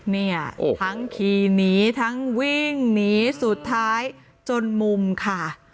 เนี่ยทั้งขี่หนีทั้งวิ่งหนีสุดท้ายจนมุมค่ะ